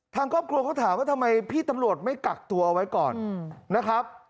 ทางครอบครัวเขาถามว่าทำไมพี่ตำรวจไม่กักตัวเอาไว้ก่อนนะครับ